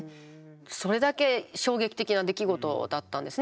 それだけ衝撃的な出来事だったんですね